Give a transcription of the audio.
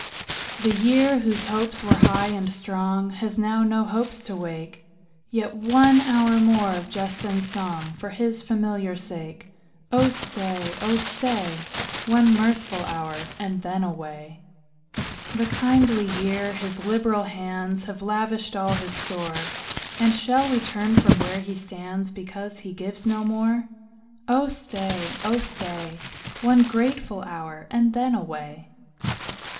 The year, whose hopes were high and strong, Has now no hopes to wake ; Yet one hour more of jest and song For his familiar sake. Oh stay, oh stay, One mirthful hour, and then away. 36 POEMS. The kindly year, his liberal hands Have lavished all his store. And shall we turn from where he stands, Because he gives no more? Oh stay, oh stay, One grateful hotir, and then away.